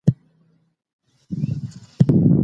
مفت مال انسان لټ او بې کاره کوي.